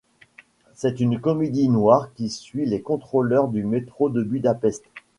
C'est une comédie noire qui suit les contrôleurs du métro de Budapest.